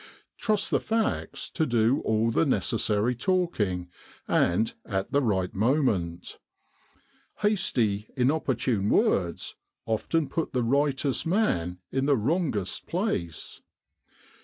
Trust the facts to do all the necessary talking, and at the right moment. Hasty inopportune words often put the Tightest man in the wrongest place.